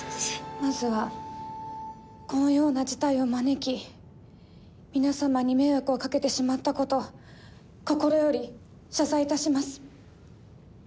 まずはこのような事態を招き皆様に迷惑を掛けてしまったこと心より謝罪いたします。